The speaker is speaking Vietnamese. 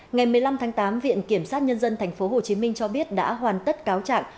ngày một mươi năm tháng tám viện kiểm sát nhân dân tp hcm cho biết đã hoàn tất cáo trạng